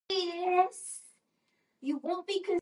Quaternary Alluvium covers the south west quarter.